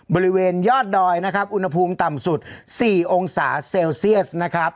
บริเวณยอดดอยนะครับอุณหภูมิต่ำสุด๔องศาเซลเซียสนะครับ